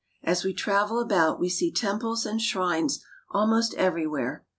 As we travel about, we see temples and shrines almost every where.